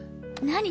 何？